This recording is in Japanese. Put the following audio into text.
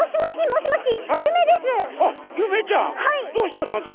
どうしたざんす？